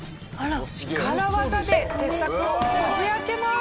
力業で鉄柵をこじ開けます。